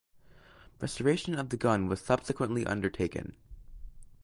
Restoration of the gun was subsequently undertaken.